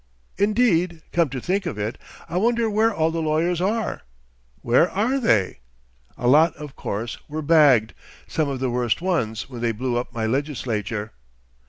Indeed, come to think of it, I wonder where all the lawyers are.... Where are they? A lot, of course, were bagged, some of the worst ones, when they blew up my legislature.